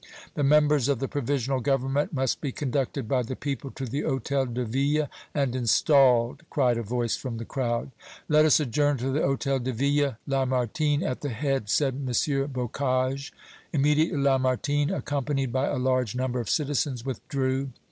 "The members of the Provisional Government must be conducted by the people to the Hôtel de Ville and installed!" cried a voice from the crowd. "Let us adjourn to the Hôtel de Ville, Lamartine at the head!" said M. Bocage. Immediately Lamartine, accompanied by a large number of citizens, withdrew.